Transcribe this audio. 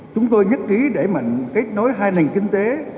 chúng tôi nhất trí đẩy mạnh kết nối hai nền kinh tế